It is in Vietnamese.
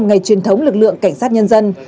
ngày truyền thống lực lượng cảnh sát nhân dân